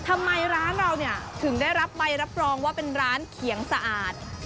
ทำไมร้านเราเนี่ยถึงได้รับใบรับรองว่าเป็นร้านเขียงสะอาด